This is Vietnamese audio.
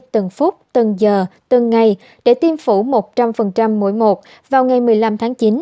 từng phút từng giờ từng ngày để tiêm phủ một trăm linh mỗi một vào ngày một mươi năm tháng chín